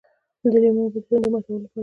د لیمو اوبه د تندې ماتولو لپاره ښې دي.